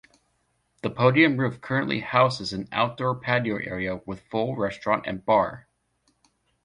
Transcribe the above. The podium roof currently houses an outdoor patio area with full restaurant and bar.